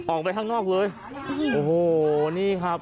ออกไปข้างนอกเลยโอ้โหนี่ครับ